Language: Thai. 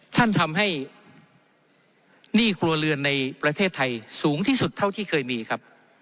ท่านทำให้หนี้ครัวเรือนในประเทศไทยสูงที่สุดเท่าที่เคยมีครับ